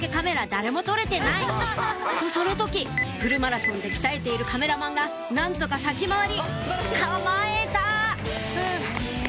誰も撮れてないとその時フルマラソンで鍛えているカメラマンが何とか先回り構えた！